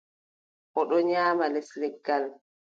O ɗon nyaama les leggal.